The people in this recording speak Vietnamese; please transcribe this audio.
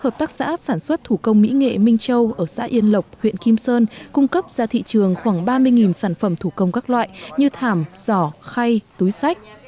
hợp tác xã sản xuất thủ công mỹ nghệ minh châu ở xã yên lộc huyện kim sơn cung cấp ra thị trường khoảng ba mươi sản phẩm thủ công các loại như thảm giỏ khay túi sách